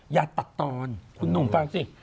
อย่าตัดตอนคุณหนุ่มฟังสิ